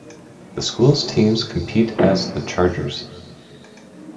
The school's teams compete as the Chargers.